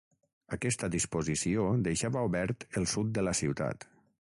Aquesta disposició deixava obert el sud de la ciutat.